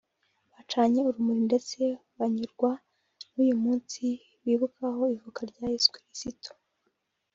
bacanye urumuri ndetse banyurwa n’uyu munsi bibukaho Ivuka rya Yezu kirisitu